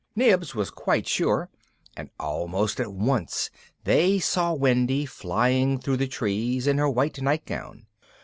Nibs was quite sure, and almost at once they saw Wendy flying through the trees in her white nightgown.